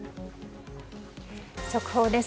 速報です。